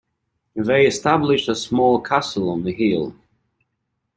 They established a small castle on the hill.